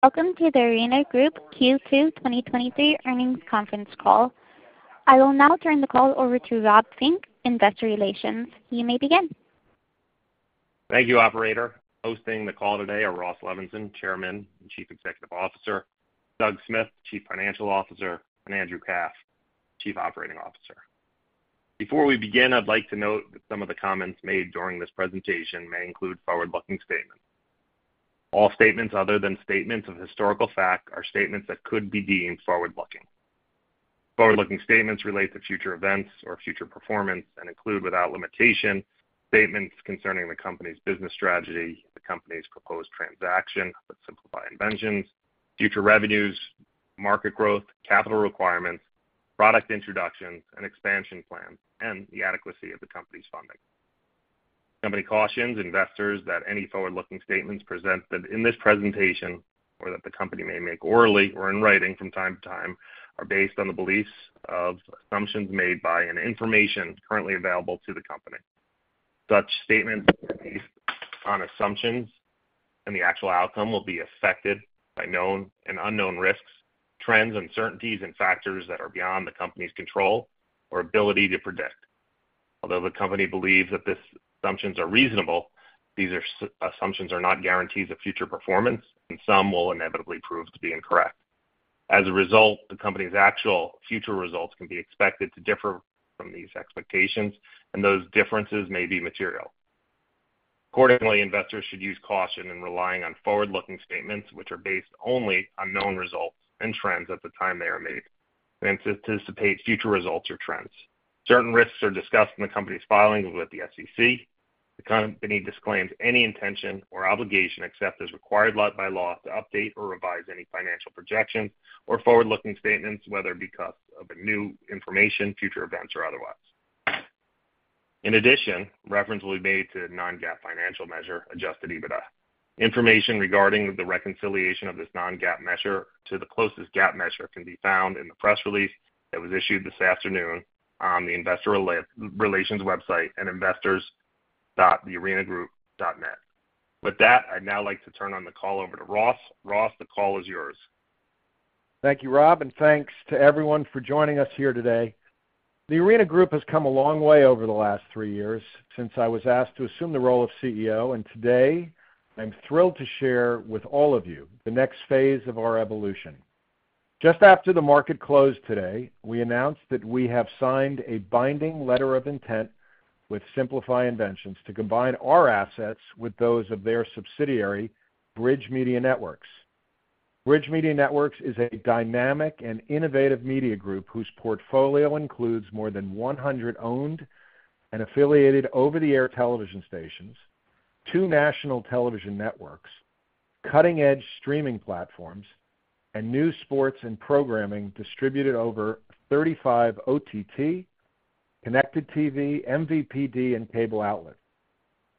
Welcome to The Arena Group Q2 2023 earnings conference call. I will now turn the call over to Rob Fink, Investor Relations. You may begin. Thank you, operator. Hosting the call today are Ross Levinsohn, Chairman and Chief Executive Officer, Doug Smith, Chief Financial Officer, and Andrew Kraft, Chief Operating Officer. Before we begin, I'd like to note that some of the comments made during this presentation may include forward-looking statements. All statements other than statements of historical fact are statements that could be deemed forward-looking. Forward-looking statements relate to future events or future performance and include, without limitation, statements concerning the company's business strategy, the company's proposed transaction with Simplify Inventions, future revenues, market growth, capital requirements, product introductions and expansion plans, and the adequacy of the company's funding. The company cautions investors that any forward-looking statements presented in this presentation or that the company may make orally or in writing from time to time are based on the beliefs of assumptions made by and information currently available to the company. Such statements are based on assumptions, and the actual outcome will be affected by known and unknown risks, trends, uncertainties, and factors that are beyond the company's control or ability to predict. Although the company believes that these assumptions are reasonable, these assumptions are not guarantees of future performance, and some will inevitably prove to be incorrect. As a result, the company's actual future results can be expected to differ from these expectations, and those differences may be material. Accordingly, investors should use caution in relying on forward-looking statements, which are based only on known results and trends at the time they are made, and anticipate future results or trends. Certain risks are discussed in the company's filings with the SEC. The company disclaims any intention or obligation, except as required by law, to update or revise any financial projections or forward-looking statements, whether because of new information, future events, or otherwise. In addition, reference will be made to non-GAAP financial measure, adjusted EBITDA. Information regarding the reconciliation of this non-GAAP measure to the closest GAAP measure can be found in the press release that was issued this afternoon on the investor relations website at investors.thearenagroup.net. With that, I'd now like to turn on the call over to Ross. Ross, the call is yours. Thank you, Rob, and thanks to everyone for joining us here today. The Arena Group has come a long way over the last 3 years since I was asked to assume the role of CEO, and today, I'm thrilled to share with all of you the next phase of our evolution. Just after the market closed today, we announced that we have signed a binding letter of intent with Simplify Inventions to combine our assets with those of their subsidiary, Bridge Media Networks. Bridge Media Networks is a dynamic and innovative media group whose portfolio includes more than 100 owned and affiliated over-the-air television stations, 2 national television networks, cutting-edge streaming platforms, and new sports and programming distributed over 35 OTT, connected TV, MVPD, and cable outlets.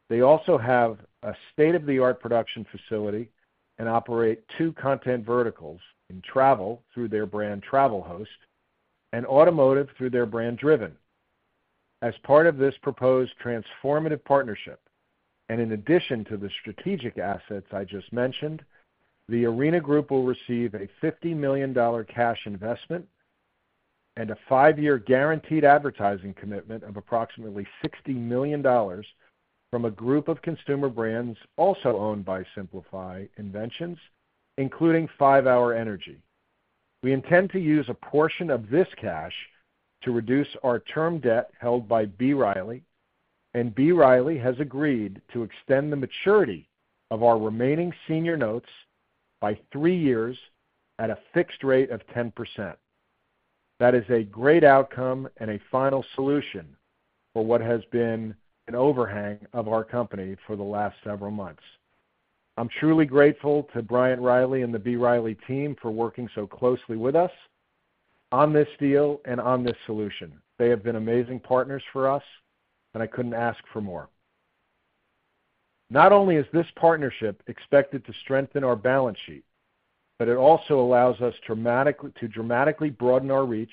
They also have a state-of-the-art production facility and operate two content verticals in travel, through their brand, TravelHost, and automotive, through their brand, Driven. As part of this proposed transformative partnership, and in addition to the strategic assets I just mentioned, The Arena Group will receive a $50 million cash investment and a 5-year guaranteed advertising commitment of approximately $60 million from a group of consumer brands also owned by Simplify Inventions, including 5-hour Energy. We intend to use a portion of this cash to reduce our term debt held by B. Riley, and B. Riley has agreed to extend the maturity of our remaining senior notes by 3 years at a fixed rate of 10%. That is a great outcome and a final solution for what has been an overhang of our company for the last several months. I'm truly grateful to Bryant Riley and the B. Riley team for working so closely with us on this deal and on this solution. They have been amazing partners for us. I couldn't ask for more. Not only is this partnership expected to strengthen our balance sheet, it also allows us to dramatically broaden our reach,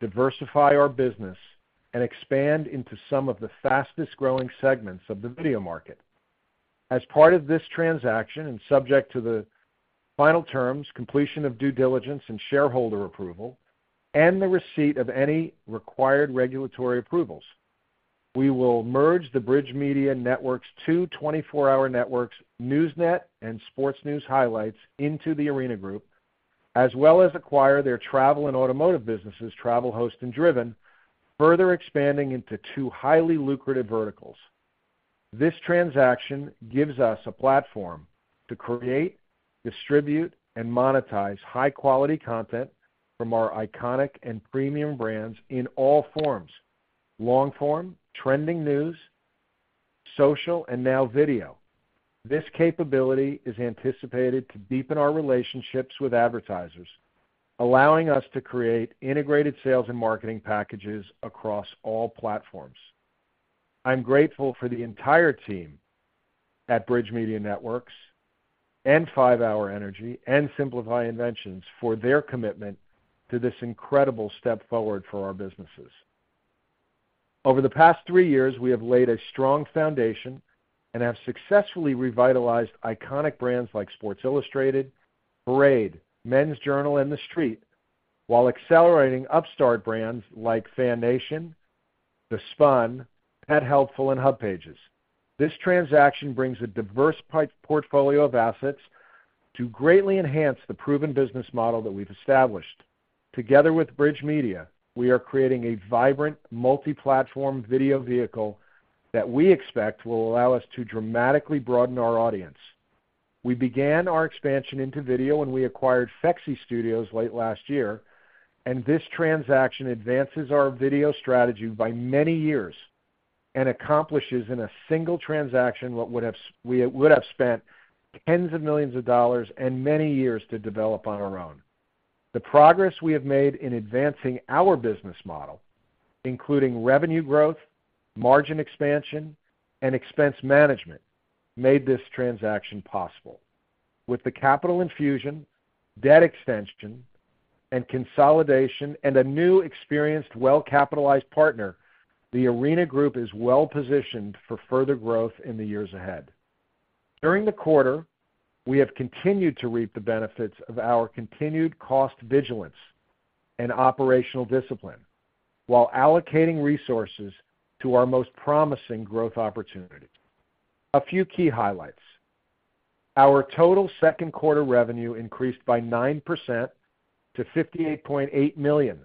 diversify our business, and expand into some of the fastest-growing segments of the video market. As part of this transaction, subject to the final terms, completion of due diligence and shareholder approval, and the receipt of any required regulatory approvals, we will merge the Bridge Media Networks' two twenty-four-hour networks, NewsNet and Sports News Highlights, into The Arena Group, as well as acquire their travel and automotive businesses, TravelHost and Driven, further expanding into two highly lucrative verticals. This transaction gives us a platform to create, distribute, and monetize high-quality content from our iconic and premium brands in all forms: long-form, trending news, social, and now video. This capability is anticipated to deepen our relationships with advertisers, allowing us to create integrated sales and marketing packages across all platforms. I'm grateful for the entire team at Bridge Media Networks and 5-hour Energy and Simplify Inventions for their commitment to this incredible step forward for our businesses. Over the past three years, we have laid a strong foundation and have successfully revitalized iconic brands like Sports Illustrated, Parade, Men's Journal, and TheStreet, while accelerating upstart brands like FanNation, The Spun, PetHelpful, and HubPages. This transaction brings a diverse portfolio of assets to greatly enhance the proven business model that we've established. Together with Bridge Media, we are creating a vibrant, multi-platform video vehicle that we expect will allow us to dramatically broaden our audience. We began our expansion into video when we acquired Fexy Studios late last year. This transaction advances our video strategy by many years and accomplishes in a single transaction what we would have spent tens of millions of dollars and many years to develop on our own. The progress we have made in advancing our business model, including revenue growth, margin expansion, and expense management, made this transaction possible. With the capital infusion, debt extension, and consolidation, and a new, experienced, well-capitalized partner, The Arena Group is well positioned for further growth in the years ahead. During the quarter, we have continued to reap the benefits of our continued cost vigilance and operational discipline while allocating resources to our most promising growth opportunity. A few key highlights. Our total second quarter revenue increased by 9% to $58.8 million,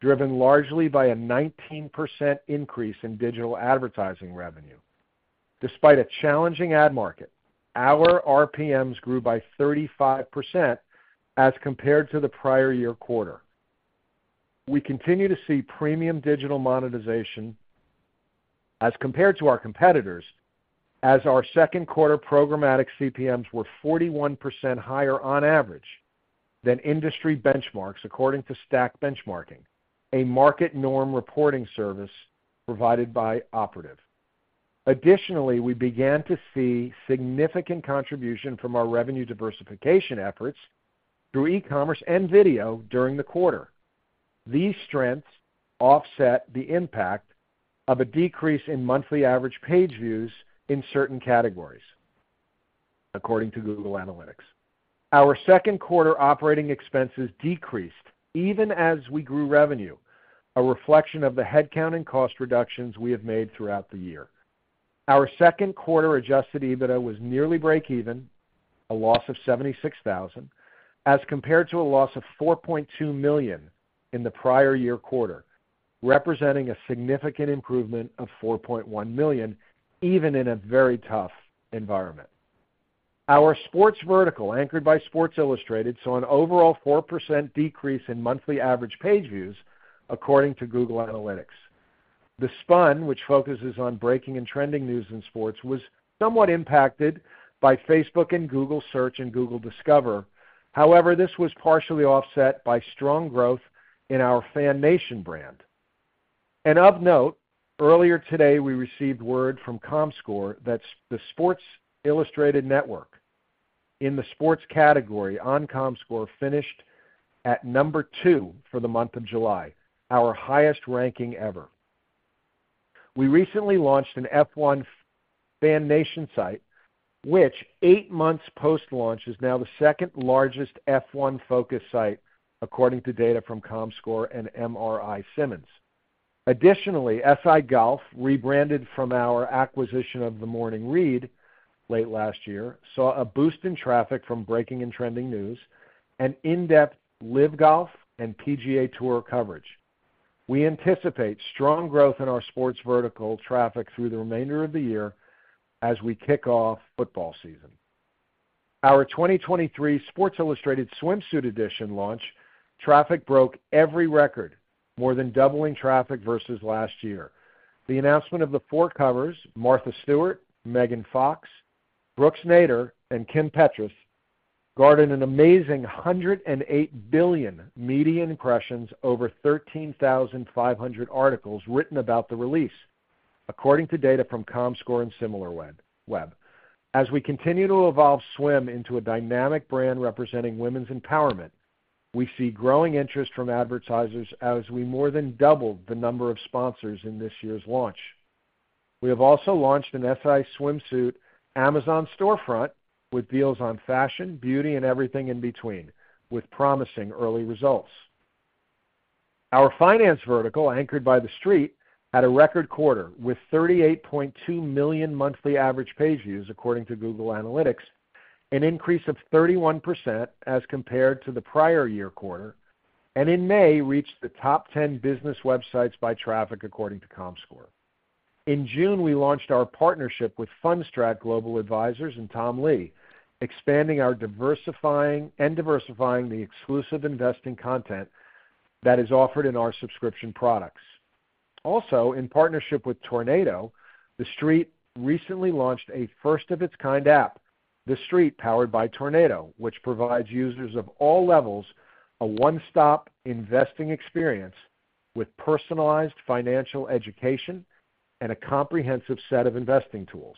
driven largely by a 19% increase in digital advertising revenue. Despite a challenging ad market, our RPMs grew by 35% as compared to the prior year quarter. We continue to see premium digital monetization as compared to our competitors, as our second quarter programmatic CPMs were 41% higher on average than industry benchmarks, according to STAQ Benchmarking, a market norm reporting service provided by Operative. Additionally, we began to see significant contribution from our revenue diversification efforts through e-commerce and video during the quarter. These strengths offset the impact of a decrease in monthly average page views in certain categories, according to Google Analytics. Our second quarter operating expenses decreased even as we grew revenue, a reflection of the headcount and cost reductions we have made throughout the year. Our second quarter Adjusted EBITDA was nearly breakeven, a loss of $76,000, as compared to a loss of $4.2 million in the prior-year quarter, representing a significant improvement of $4.1 million, even in a very tough environment. Our sports vertical, anchored by Sports Illustrated, saw an overall 4% decrease in monthly average page views according to Google Analytics. The Spun, which focuses on breaking and trending news in sports, was somewhat impacted by Facebook and Google Search and Google Discover. However, this was partially offset by strong growth in our FanNation brand. Of note, earlier today, we received word from Comscore that the Sports Illustrated Network in the sports category on Comscore finished at number two for the month of July, our highest ranking ever. We recently launched an F1 FanNation site, which 8 months post-launch, is now the 2nd largest F1 focus site, according to data from Comscore and MRI-Simmons. SI Golf, rebranded from our acquisition of The Morning Read late last year, saw a boost in traffic from breaking and trending news and in-depth live golf and PGA TOUR coverage. We anticipate strong growth in our sports vertical traffic through the remainder of the year as we kick off football season. Our 2023 Sports Illustrated Swimsuit Edition launch traffic broke every record, more than doubling traffic versus last year. The announcement of the 4 covers, Martha Stewart, Megan Fox, Brooks Nader, and Kim Petras, garnered an amazing $108 billion media impressions over 13,500 articles written about the release, according to data from Comscore and Similarweb. As we continue to evolve Swim into a dynamic brand representing women's empowerment, we see growing interest from advertisers as we more than doubled the number of sponsors in this year's launch. We have also launched an SI Swimsuit Amazon storefront with deals on fashion, beauty, and everything in between, with promising early results. Our finance vertical, anchored by TheStreet, had a record quarter with 38.2 million monthly average page views, according to Google Analytics, an increase of 31% as compared to the prior year quarter, and in May, reached the top 10 business websites by traffic, according to Comscore. In June, we launched our partnership with Fundstrat Global Advisors and Tom Lee, expanding our and diversifying the exclusive investing content that is offered in our subscription products. In partnership with Tornado, TheStreet recently launched a first-of-its-kind app, TheStreet, powered by Tornado, which provides users of all levels a one-stop investing experience with personalized financial education and a comprehensive set of investing tools.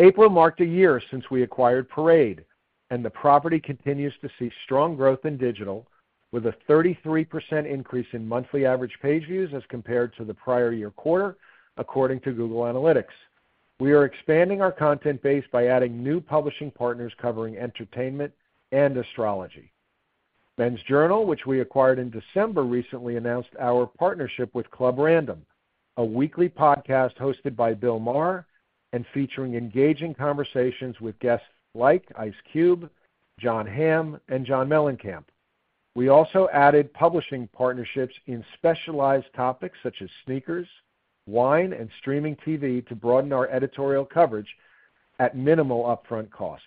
April marked a year since we acquired Parade. The property continues to see strong growth in digital, with a 33% increase in monthly average page views as compared to the prior year quarter, according to Google Analytics. We are expanding our content base by adding new publishing partners covering entertainment and astrology. Men's Journal, which we acquired in December, recently announced our partnership with Club Random, a weekly podcast hosted by Bill Maher and featuring engaging conversations with guests like Ice Cube, Jon Hamm, and John Mellencamp. We also added publishing partnerships in specialized topics such as sneakers, wine, and streaming TV, to broaden our editorial coverage at minimal upfront cost.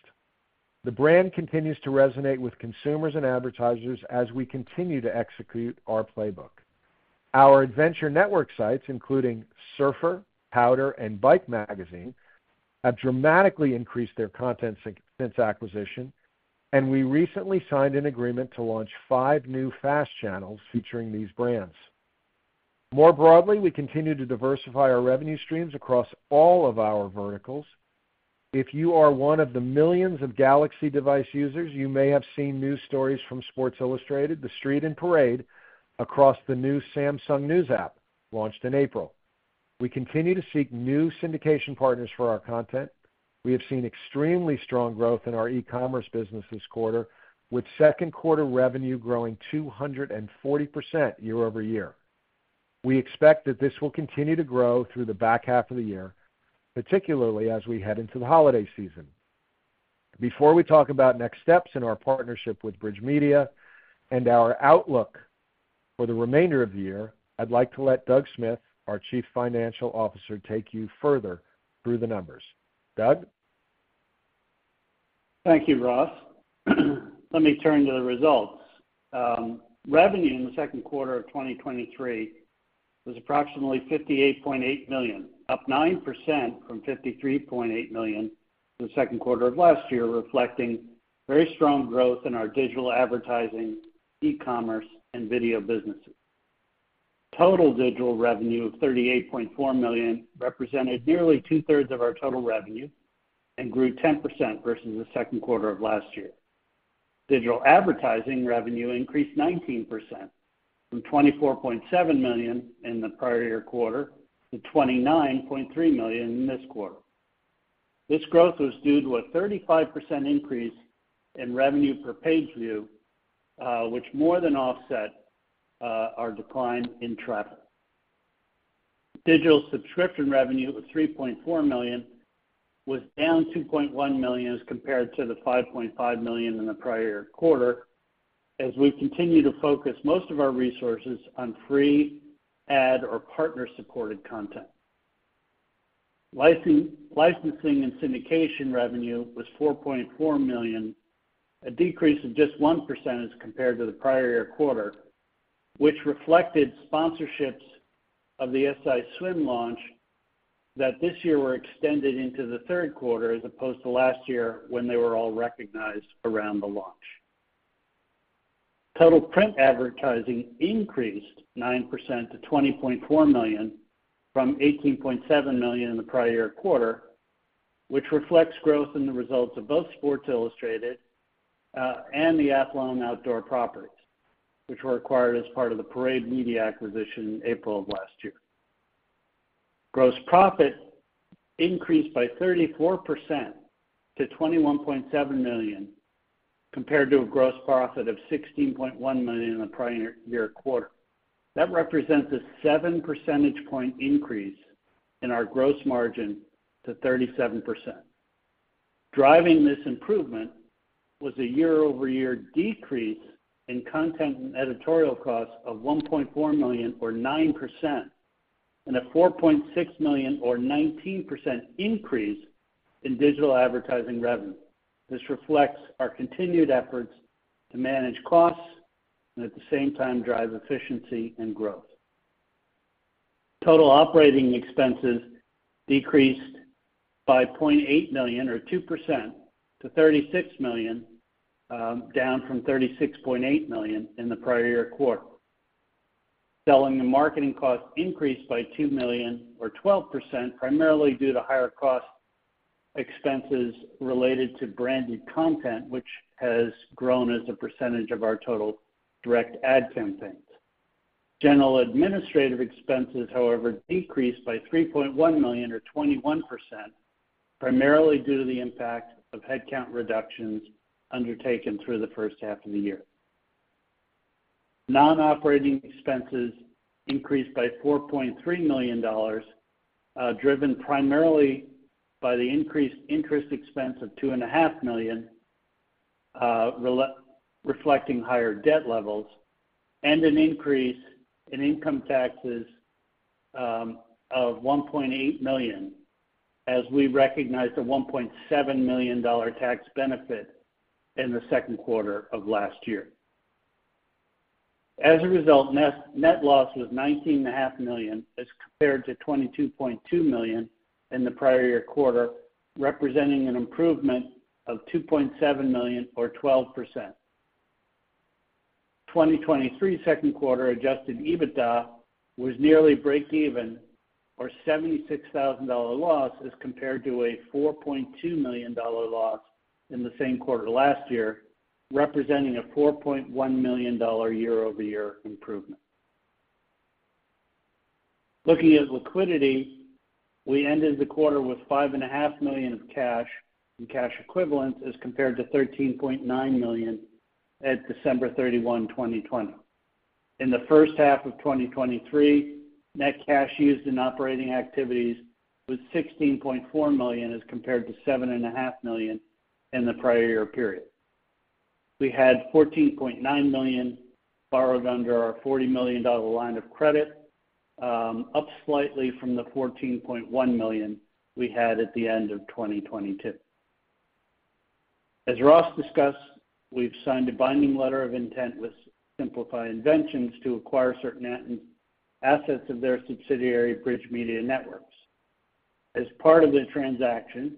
The brand continues to resonate with consumers and advertisers as we continue to execute our playbook. Our Adventure Network sites, including Surfer, Powder, and Bike Magazine, have dramatically increased their content since acquisition, and we recently signed an agreement to launch 5 new FAST channels featuring these brands. More broadly, we continue to diversify our revenue streams across all of our verticals. If you are one of the millions of Galaxy device users, you may have seen news stories from Sports Illustrated, TheStreet, and Parade across the new Samsung News app launched in April. We continue to seek new syndication partners for our content. We have seen extremely strong growth in our e-commerce business this quarter, with second quarter revenue growing 240% year-over-year. We expect that this will continue to grow through the back half of the year, particularly as we head into the holiday season. Before we talk about next steps in our partnership with Bridge Media and our outlook for the remainder of the year, I'd like to let Doug Smith, our Chief Financial Officer, take you further through the numbers. Doug? Thank you, Ross. Let me turn to the results. Revenue in the second quarter of 2023 was approximately $58.8 million, up 9% from $53.8 million in the second quarter of last year, reflecting very strong growth in our digital advertising, e-commerce, and video businesses. Total digital revenue of $38.4 million represented nearly two-thirds of our total revenue and grew 10% versus the second quarter of last year. Digital advertising revenue increased 19% from $24.7 million in the prior year quarter to $29.3 million in this quarter. This growth was due to a 35% increase in revenue per page view, which more than offset our decline in travel. Digital subscription revenue of $3.4 million was down $2.1 million as compared to the $5.5 million in the prior quarter, as we continue to focus most of our resources on free ad or partner-supported content. Licensing and syndication revenue was $4.4 million, a decrease of just 1% as compared to the prior year quarter, which reflected sponsorships of the SI Swim launch that this year were extended into the third quarter, as opposed to last year when they were all recognized around the launch. Total print advertising increased 9% to $20.4 million from $18.7 million in the prior year quarter, which reflects growth in the results of both Sports Illustrated and the Athlon Outdoors properties, which were acquired as part of the Parade Media acquisition in April of last year. Gross profit increased by 34% to $21.7 million, compared to a gross profit of $16.1 million in the prior-year quarter. That represents a 7 percentage point increase in our gross margin to 37%. Driving this improvement was a year-over-year decrease in content and editorial costs of $1.4 million, or 9%, and a $4.6 million, or 19%, increase in digital advertising revenue. This reflects our continued efforts to manage costs and at the same time, drive efficiency and growth. Total operating expenses decreased by $0.8 million, or 2%, to $36 million, down from $36.8 million in the prior-year quarter. Selling and marketing costs increased by $2 million, or 12%, primarily due to higher cost expenses related to branded content, which has grown as a percentage of our total direct ad campaigns. General administrative expenses, however, decreased by $3.1 million, or 21%, primarily due to the impact of headcount reductions undertaken through the first half of the year. Non-operating expenses increased by $4.3 million, driven primarily by the increased interest expense of $2.5 million, reflecting higher debt levels and an increase in income taxes of $1.8 million, as we recognized a $1.7 million tax benefit in the second quarter of last year. Net, net loss was $19.5 million, as compared to $22.2 million in the prior year quarter, representing an improvement of $2.7 million, or 12%. 2023 second quarter Adjusted EBITDA was nearly breakeven or $76,000 loss as compared to a $4.2 million loss in the same quarter last year, representing a $4.1 million year-over-year improvement. Looking at liquidity, we ended the quarter with $5.5 million of cash and cash equivalents as compared to $13.9 million at December 31, 2020. In the first half of 2023, net cash used in operating activities was $16.4 million as compared to $7.5 million in the prior year period. We had $14.9 million borrowed under our $40 million line of credit, up slightly from the $14.1 million we had at the end of 2022. As Ross discussed, we've signed a binding letter of intent with Simplify Inventions to acquire certain assets of their subsidiary, Bridge Media Networks. As part of the transaction,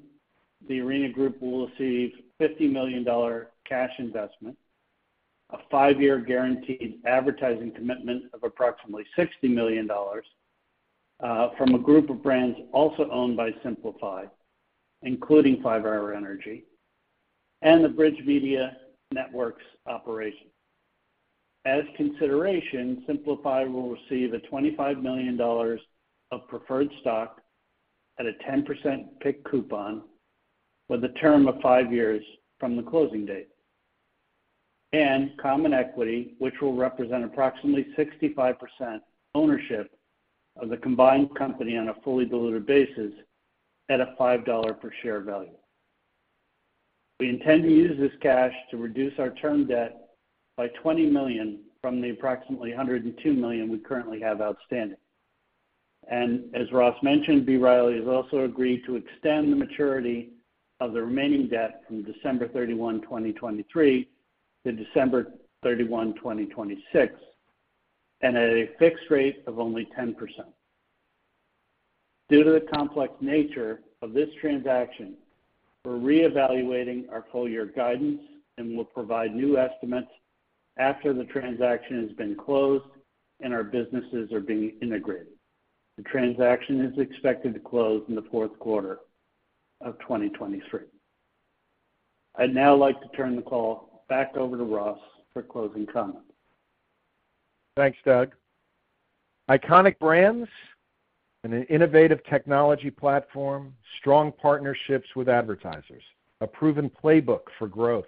The Arena Group will receive $50 million cash investment, a 5-year guaranteed advertising commitment of approximately $60 million from a group of brands also owned by Simplify, including 5-hour Energy and the Bridge Media Networks operation. As consideration, Simplify will receive a $25 million of preferred stock at a 10% PIK coupon, with a term of 5 years from the closing date. Common equity, which will represent approximately 65% ownership of the combined company on a fully diluted basis at a $5 per share value. We intend to use this cash to reduce our term debt by $20 million from the approximately $102 million we currently have outstanding. As Ross mentioned, B. Riley has also agreed to extend the maturity of the remaining debt from December 31, 2023 to December 31, 2026, and at a fixed rate of only 10%. Due to the complex nature of this transaction, we're reevaluating our full year guidance and will provide new estimates after the transaction has been closed and our businesses are being integrated. The transaction is expected to close in the fourth quarter of 2023. I'd now like to turn the call back over to Ross for closing comments. Thanks, Doug. Iconic brands and an innovative technology platform, strong partnerships with advertisers, a proven playbook for growth,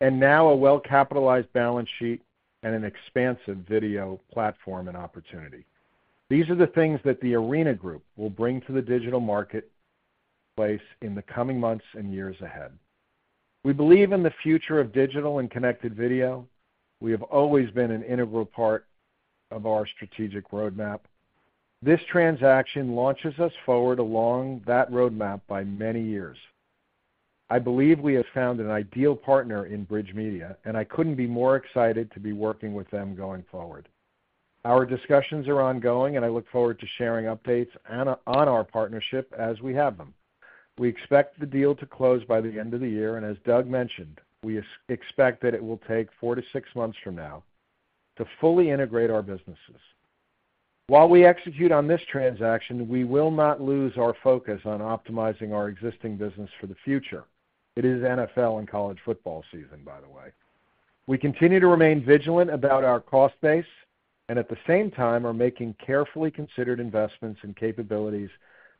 and now a well-capitalized balance sheet and an expansive video platform and opportunity. These are the things that The Arena Group will bring to the digital marketplace in the coming months and years ahead. We believe in the future of digital and connected video. We have always been an integral part of our strategic roadmap. This transaction launches us forward along that roadmap by many years. I believe we have found an ideal partner in Bridge Media, and I couldn't be more excited to be working with them going forward. Our discussions are ongoing, and I look forward to sharing updates on our partnership as we have them. We expect the deal to close by the end of the year, and as Doug mentioned, we expect that it will take four to six months from now to fully integrate our businesses. While we execute on this transaction, we will not lose our focus on optimizing our existing business for the future. It is NFL and college football season, by the way. We continue to remain vigilant about our cost base and at the same time are making carefully considered investments and capabilities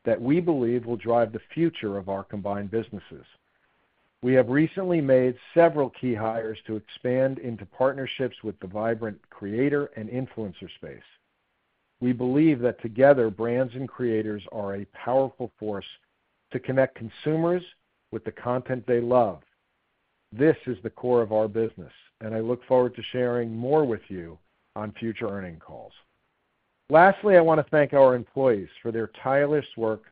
that we believe will drive the future of our combined businesses. We have recently made several key hires to expand into partnerships with the vibrant creator and influencer space. We believe that together, brands and creators are a powerful force to connect consumers with the content they love. This is the core of our business. I look forward to sharing more with you on future earnings calls. Lastly, I want to thank our employees for their tireless work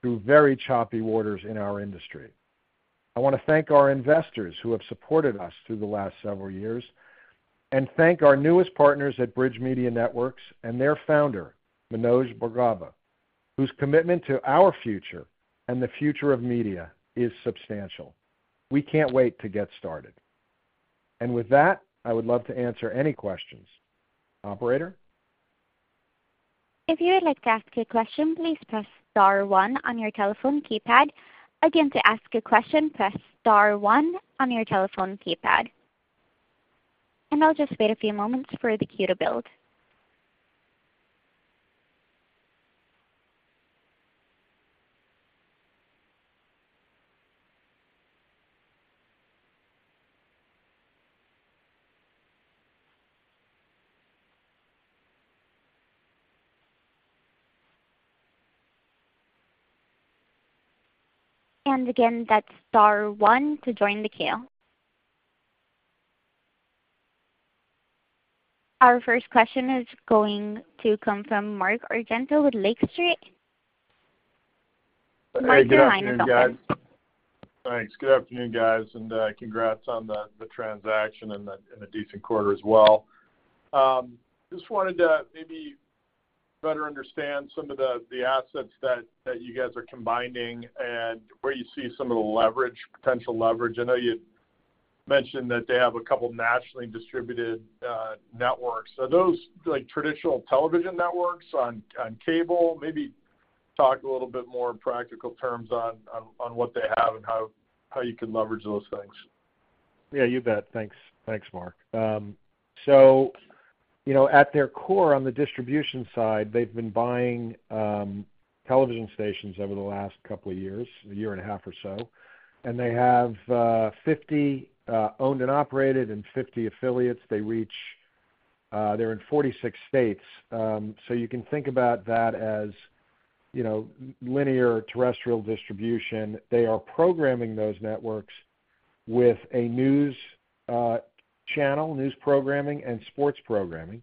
through very choppy waters in our industry. I want to thank our investors who have supported us through the last several years, and thank our newest partners at Bridge Media Networks and their founder, Manoj Bhargava, whose commitment to our future and the future of media is substantial. We can't wait to get started. With that, I would love to answer any questions. Operator? If you would like to ask a question, please press star one on your telephone keypad. Again, to ask a question, press star one on your telephone keypad. I'll just wait a few moments for the queue to build. Again, that's star one to join the queue. Our first question is going to come from Mark Argento with Lake Street. Mark, your line is open. Hey, good afternoon, guys. Thanks. Good afternoon, guys, and congrats on the, the transaction and the, and a decent quarter as well. Just wanted to better understand some of the, the assets that, that you guys are combining and where you see some of the leverage, potential leverage. I know you mentioned that they have two nationally distributed networks. Are those like traditional television networks on, on cable? Maybe talk a little bit more in practical terms on, on, on what they have and how, how you can leverage those things., you bet. Thanks. Thanks, Mark. You know, at their core, on the distribution side, they've been buying television stations over the last couple of years, a year and a half or so. They have 50 owned and operated, and 50 affiliates. They reach, they're in 46 states. You can think about that as, you know, linear terrestrial distribution. They are programming those networks with a news channel, news programming and sports programming.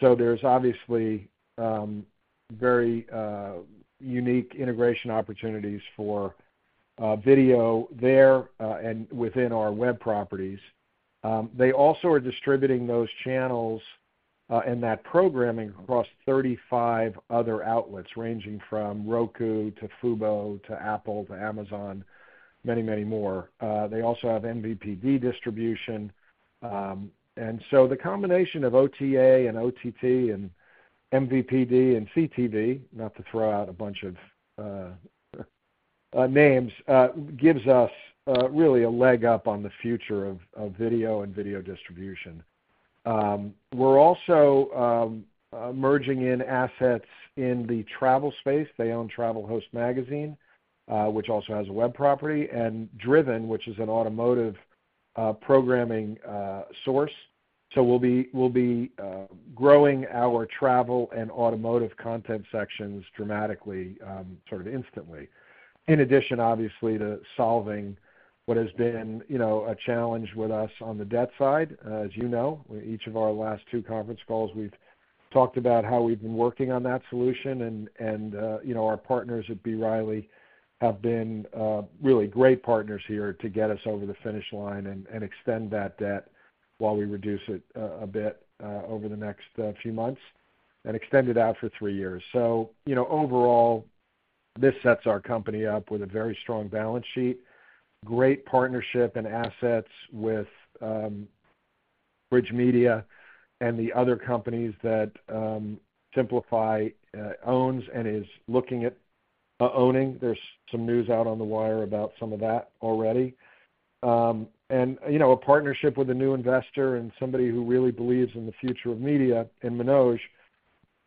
There's obviously very unique integration opportunities for video there, and within our web properties. They also are distributing those channels and that programming across 35 other outlets, ranging from Roku to Fubo to Apple to Amazon, many, many more. They also have MVPD distribution. The combination of OTA and OTT and MVPD and CTV, not to throw out a bunch of names, gives us really a leg up on the future of video and video distribution. We're also merging in assets in the travel space. They own TravelHost Magazine, which also has a web property, and Driven, which is an automotive programming source. We'll be, we'll be growing our travel and automotive content sections dramatically, sort of instantly. In addition, obviously, to solving what has been, you know, a challenge with us on the debt side. As you know, each of our last two conference calls, we've talked about how we've been working on that solution. You know, our partners at B. Riley have been really great partners here to get us over the finish line and, and extend that debt while we reduce it a bit over the next few months and extend it out for 3 years. You know, overall, this sets our company up with a very strong balance sheet, great partnership and assets with Bridge Media and the other companies that Simplify owns and is looking at owning. There's some news out on the wire about some of that already. You know, a partnership with a new investor and somebody who really believes in the future of media, in Manoj,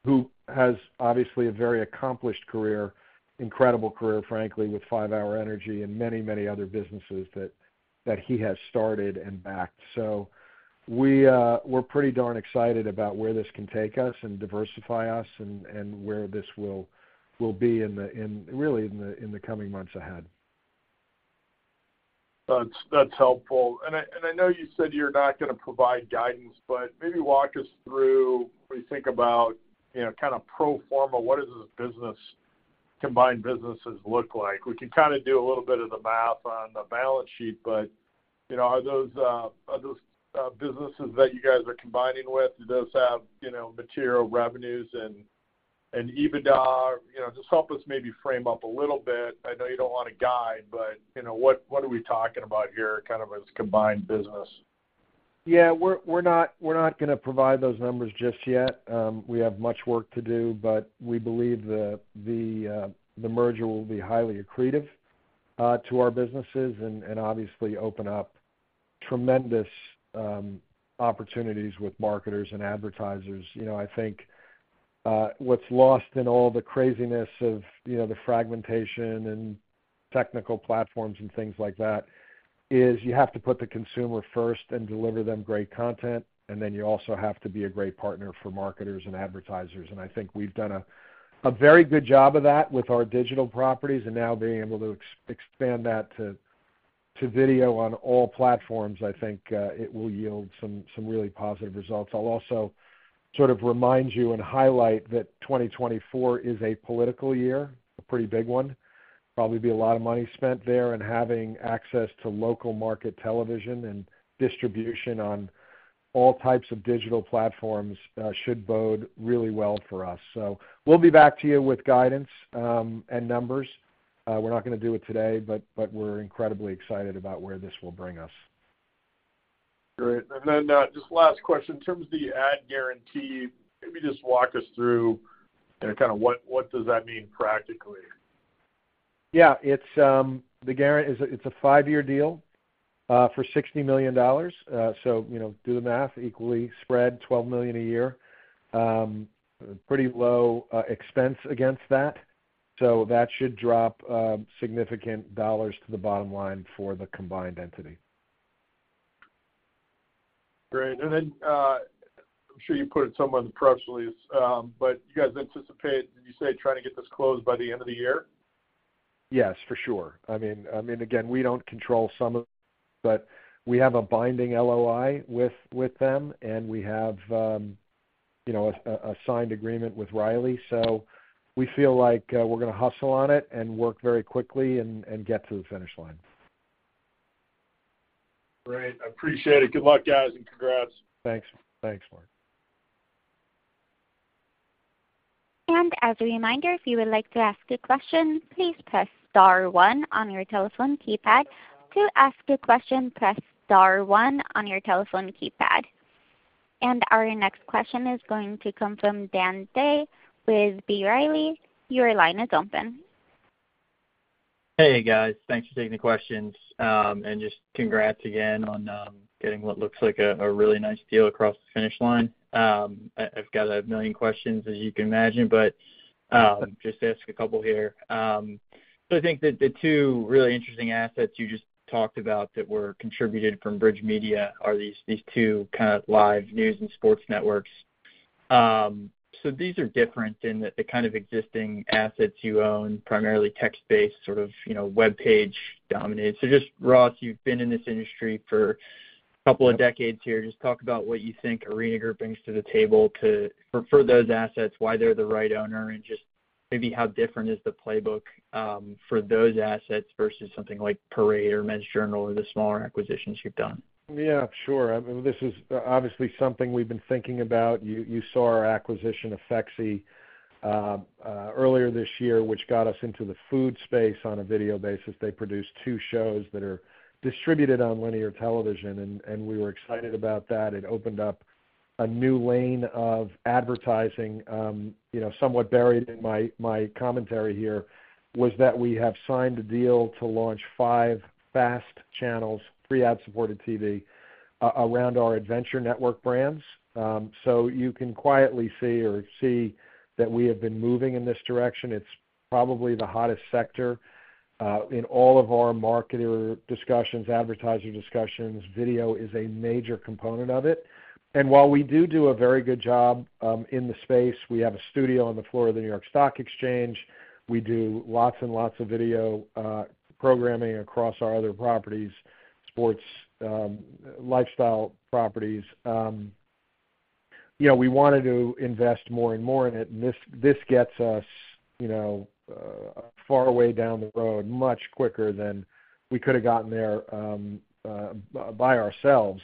who has obviously a very accomplished career, incredible career, frankly, with 5-hour Energy and many, many other businesses that, that he has started and backed. We're pretty darn excited about where this can take us and diversify us and, and where this will, will be in the, in really, in the, in the coming months ahead. That's, that's helpful. I, I know you said you're not gonna provide guidance, but maybe walk us through, when you think about, you know, kind of pro forma, what does this combined businesses look like? We can kind of do a little bit of the math on the balance sheet, but, you know, are those businesses that you guys are combining with, do those have, you know, material revenues and EBITDA? You know, just help us maybe frame up a little bit. I know you don't want to guide, but, you know, what, what are we talking about here kind of as a combined business?, we're, we're not, we're not gonna provide those numbers just yet. We have much work to do, but we believe the, the merger will be highly accretive to our businesses and, and obviously open up tremendous opportunities with marketers and advertisers. You know, I think what's lost in all the craziness of, you know, the fragmentation and technical platforms and things like that, is you have to put the consumer first and deliver them great content, and then you also have to be a great partner for marketers and advertisers. And I think we've done a, a very good job of that with our digital properties, and now being able to expand that to, to video on all platforms, I think, it will yield some, some really positive results. I'll also sort of remind you and highlight that 2024 is a political year, a pretty big one. Probably be a lot of money spent there, and having access to local market television and distribution on all types of digital platforms, should bode really well for us. We'll be back to you with guidance, and numbers. We're not gonna do it today, but we're incredibly excited about where this will bring us. Great. Then, just last question, in terms of the ad guarantee, maybe just walk us through, kind of what, what does that mean practically?, it's, it's a, it's a 5-year deal, for $60 million. So, you know, do the math, equally spread, $12 million a year. Pretty low, expense against that, so that should drop, significant dollars to the bottom line for the combined entity. Great. I'm sure you put it somewhere in the press release, you guys anticipate, did you say, trying to get this closed by the end of the year? Yes, for sure. I mean, again, we don't control some of... We have a binding LOI with them, and we have, you know, a signed agreement with Riley. We feel like we're gonna hustle on it and work very quickly and get to the finish line. Great, I appreciate it. Good luck, guys, and congrats! Thanks. Thanks, Mark. As a reminder, if you would like to ask a question, please press *1 on your telephone keypad. To ask a question, press *1 on your telephone keypad. Our next question is going to come from Dan Day with B. Riley. Your line is open. Hey, guys, thanks for taking the questions. Just congrats again on getting what looks like a really nice deal across the finish line. I've got 1 million questions, as you can imagine, but just ask a couple here. I think that the 2 really interesting assets you just talked about that were contributed from Bridge Media are these, these 2 kind of live news and sports networks. These are different in that the kind of existing assets you own, primarily text-based, sort of, you know, webpage-dominated. Just, Ross, you've been in this industry for a couple of decades here. Just talk about what you think Arena Group brings to the table for those assets, why they're the right owner, and just maybe how different is the playbook, for those assets versus something like Parade or Men's Journal or the smaller acquisitions you've done? , sure. I mean, this is obviously something we've been thinking about. You, you saw our acquisition of Fexy earlier this year, which got us into the food space on a video basis. They produced 2 shows that are distributed on linear television, and, and we were excited about that. It opened up a new lane of advertising. You know, somewhat buried in my, my commentary here was that we have signed a deal to launch 5 FAST channels, Free Ad-Supported TV, around our Adventure Network brands. You can quietly see or see that we have been moving in this direction. It's probably the hottest sector in all of our marketer discussions, advertiser discussions. Video is a major component of it. While we do do a very good job, in the space, we have a studio on the floor of the New York Stock Exchange. We do lots and lots of video, programming across our other properties, sports, lifestyle properties. you know, we wanted to invest more and more in it, and this, this gets us, you know, far away down the road, much quicker than we could have gotten there, by ourselves.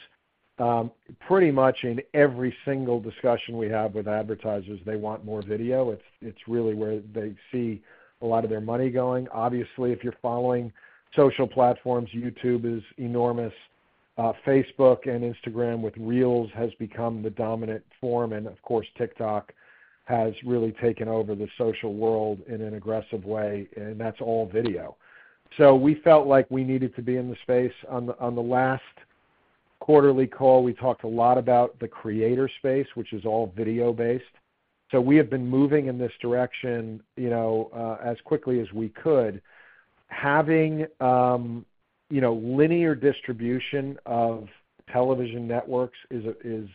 pretty much in every single discussion we have with advertisers, they want more video. It's, it's really where they see a lot of their money going. Obviously, if you're following social platforms, YouTube is enormous. Facebook and Instagram with Reels has become the dominant form, and of course, TikTok has really taken over the social world in an aggressive way, and that's all video. We felt like we needed to be in the space. On the, on the last quarterly call, we talked a lot about the creator space, which is all video-based. We have been moving in this direction, you know, as quickly as we could. Having, you know, linear distribution of television networks is a, is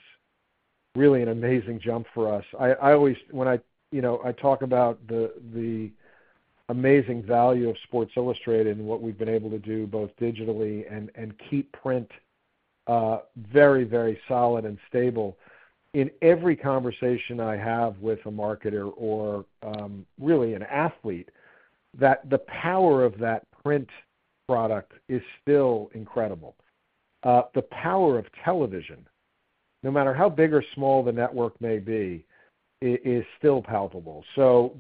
really an amazing jump for us. When I, you know, I talk about the amazing value of Sports Illustrated and what we've been able to do, both digitally and, and keep print, very, very solid and stable. In every conversation I have with a marketer or, really an athlete, that the power of that print product is still incredible. The power of television, no matter how big or small the network may be, is still palpable.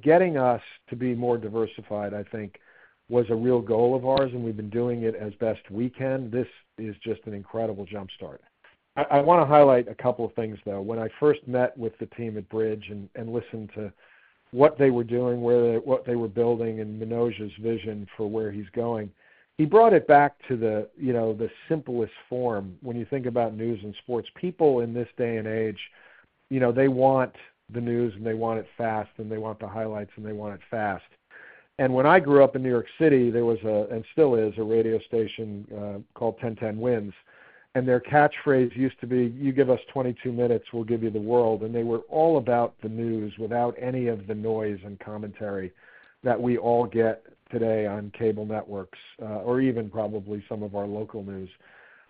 Getting us to be more diversified, I think, was a real goal of ours, and we've been doing it as best we can. This is just an incredible jump-start. I, I wanna highlight a couple of things, though. When I first met with the team at Bridge and, and listened to what they were doing, what they were building, and Manoj's vision for where he's going, he brought it back to the, you know, the simplest form when you think about news and sports. People in this day and age, you know, they want the news, and they want it fast, and they want the highlights, and they want it fast. When I grew up in New York City, there was a, and still is, a radio station, called 1010 WINS, and their catchphrase used to be: "You give us 22 minutes, we'll give you the world." They were all about the news without any of the noise and commentary that we all get today on cable networks, or even probably some of our local news.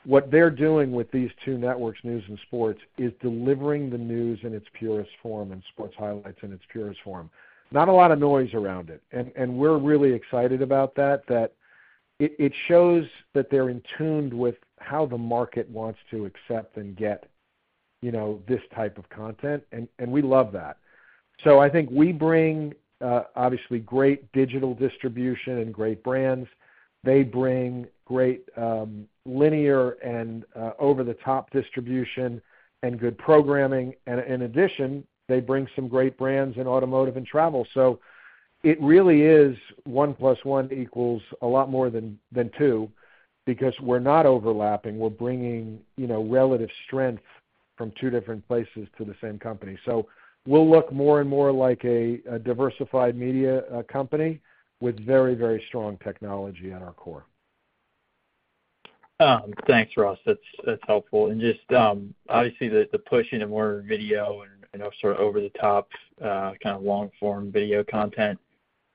What they're doing with these two networks, news and sports, is delivering the news in its purest form and sports highlights in its purest form. Not a lot of noise around it, and, and we're really excited about that, that it, it shows that they're in tune with how the market wants to accept and get, you know, this type of content, and, and we love that. I think we bring, obviously, great digital distribution and great brands. They bring great, linear and over-the-top distribution and good programming. In addition, they bring some great brands in automotive and travel. It really is 1 plus 1 equals a lot more than, than 2 because we're not overlapping. We're bringing, you know, relative strength from 2 different places to the same company. We'll look more and more like a, a diversified media, company with very, very strong technology at our core. Thanks, Ross. That's, that's helpful. Just, obviously, the, the push into more video and, you know, sort of over-the-top, kind of long-form video content,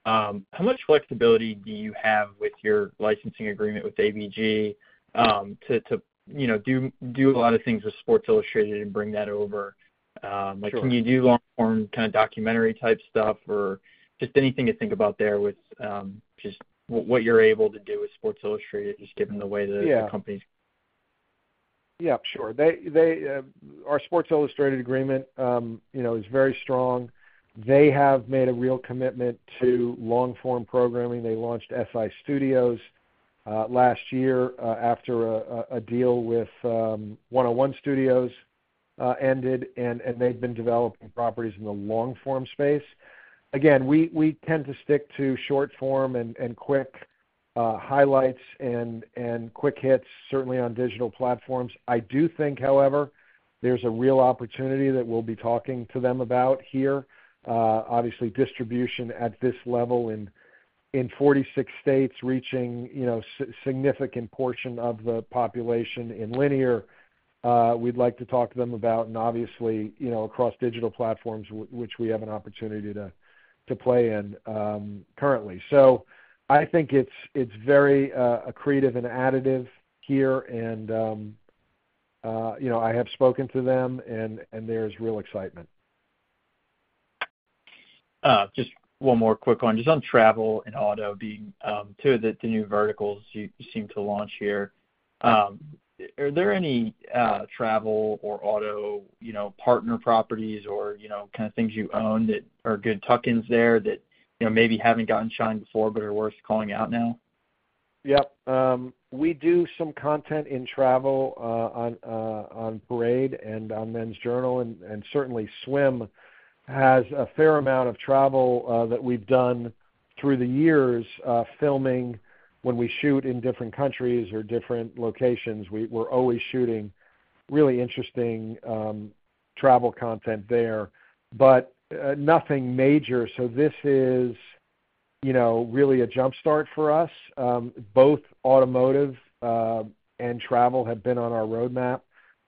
how much flexibility do you have with your licensing agreement with ABG, to, to, you know, do, do a lot of things with Sports Illustrated and bring that over? Sure. Like, can you do long-form, kind of documentary-type stuff, or just anything to think about there with, just what, what you're able to do with Sports Illustrated, just given the way the...., sure. They, they, our Sports Illustrated agreement, you know, is very strong. They have made a real commitment to long-form programming. They launched SI Studios last year, after a deal with 101 Studios ended, and, and they've been developing properties in the long-form space. Again, we, we tend to stick to short form and, and quick highlights and, and quick hits, certainly on digital platforms. I do think, however, there's a real opportunity that we'll be talking to them about here. Obviously, distribution at this level in, in 46 states, reaching, you know, significant portion of the population in linear, we'd like to talk to them about, and obviously, you know, across digital platforms, which we have an opportunity to, to play in, currently. I think it's, it's very accretive and additive here, and, you know, I have spoken to them, and, there's real excitement. Just one more quick one. Just on travel and auto being, two of the, the new verticals you, you seem to launch here. Are there any, travel or auto, you know, partner properties or, you know, kind of things you own that are good tuck-ins there that, you know, maybe haven't gotten shined before but are worth calling out now? Yep. We do some content in travel, on Parade and on Men's Journal, and, and certainly Swim has a fair amount of travel that we've done through the years filming. When we shoot in different countries or different locations, we're always shooting really interesting travel content there, but nothing major. This is, you know, really a jump start for us. Both automotive and travel have been on our roadmap.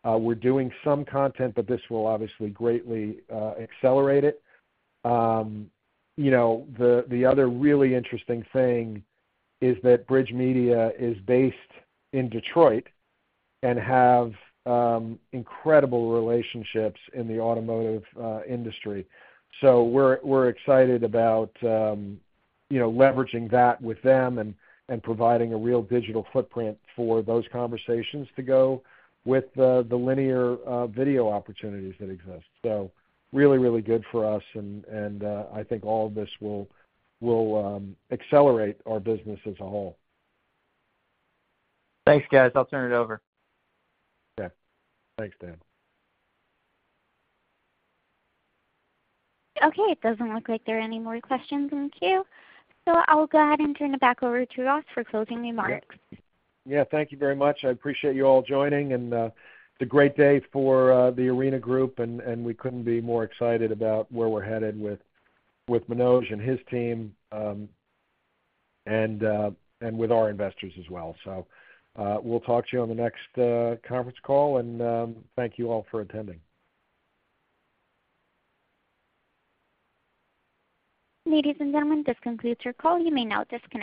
We're doing some content, but this will obviously greatly accelerate it. You know, the, the other really interesting thing is that Bridge Media is based in Detroit and have incredible relationships in the automotive industry. We're, we're excited about, you know, leveraging that with them and, and providing a real digital footprint for those conversations to go with the, the linear video opportunities that exist. Really, really good for us, and, and, I think all of this will, will accelerate our business as a whole. Thanks, guys. I'll turn it over.. Thanks, Dan. Okay. It doesn't look like there are any more questions in the queue, so I'll go ahead and turn it back over to Ross for closing remarks. . Thank you very much. I appreciate you all joining. It's a great day for The Arena Group, and we couldn't be more excited about where we're headed with Manoj and his team, and with our investors as well. We'll talk to you on the next conference call. Thank you all for attending. Ladies and gentlemen, this concludes your call. You may now disconnect.